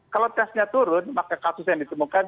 kalau tesnya turun maka kasus yang ditemukan